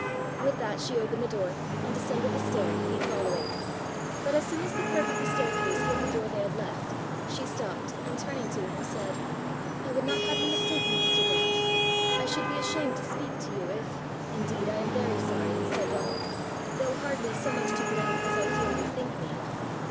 With that she opened the door, and descended the stair, he following; but as soon as the curve of the staircase hid the door they had left, she stopped, and turning to him said, "I would not have you mistake me, Mr. Grant! I should be ashamed to speak to you if " "Indeed I am very sorry!" said Donal, " though hardly so much to blame as I fear you think me."